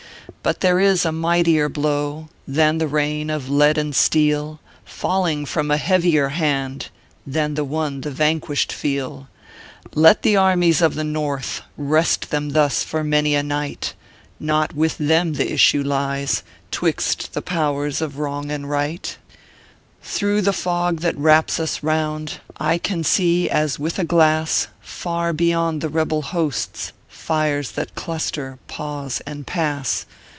"But there is a mightier blow Than tho rain of lead and steel, Falling from a heavier hand Than the one the vanquished feel "Let the armies of the North Rest them thus for many a night; Not with them the issue lies, Twist tho powers of "Wrong and Right. 188 ORPHEUS C. KERR PAPERS. . "Through the fog that wraps us round I can see, as with a glass, Far beyond the rebel hosts Fires that cluster, pause, and pass.